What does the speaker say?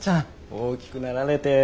大きくなられて。